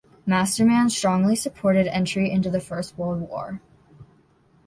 Masterman strongly supported entry into the First World War.